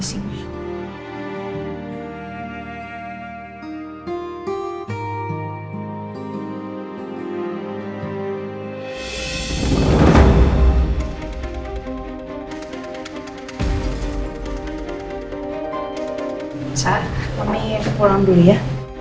saat kami pulang dulu ya